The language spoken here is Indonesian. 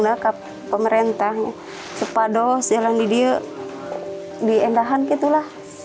nakap pemerintah cepat jalan di dia diendahan gitu lah